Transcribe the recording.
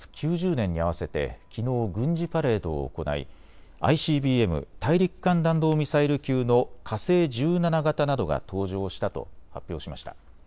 ９０年に合わせてきのう軍事パレードを行いＩＣＢＭ・大陸間弾道ミサイル級の火星１７型などが登場したと発表しました。